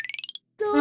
どう？